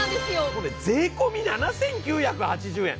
これ税込み７９８０円。